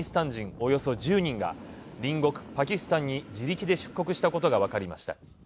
およそ１０人が隣国パキスタンに自力で出国したことがわかりました。